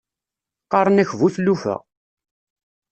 Qqaṛen-ak bu tlufa.